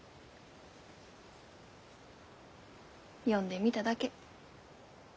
呼んでみただけ。